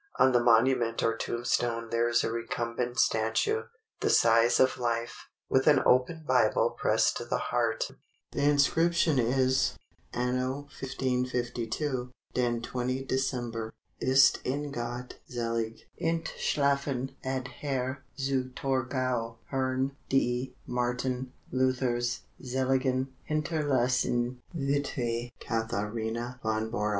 On the monument or tombstone there is a recumbent statue, the size of life, with an open Bible pressed to the heart. The inscription is, Anno 1552, den 20 December. Ist in Gott selig entschlaffen alhier Zu Torgau Herrn D. Martin Luther's Seligen hinterlassene Wittwe Katharina von Bora.